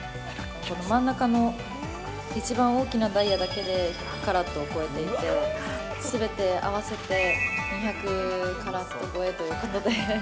真ん中の一番大きなダイヤだけで１００カラットを超えていて全て合わせて２００カラット超えということで。